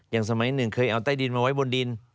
สมัยหนึ่งเคยเอาใต้ดินมาไว้บนดิน